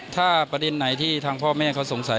ถ้าประเด็นไหนที่ทางพ่อแม่เขาสงสัย